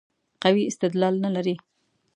قوي استدلال نه لري.